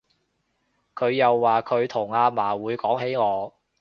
佢又話佢同阿嫲會講起我